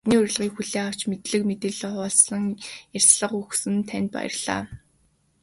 Бидний урилгыг хүлээн авч, мэдлэг мэдээллээ хуваалцан ярилцлага өгсөн танд баярлалаа.